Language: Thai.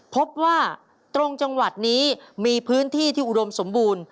พบว่าตรงจังหวัดนี้มีพื้นที่ที่อุดมสมบูรณ์